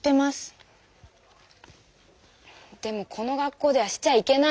でもこの学校ではしちゃいけないの。